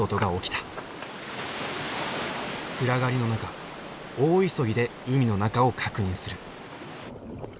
暗がりの中大急ぎで海の中を確認する。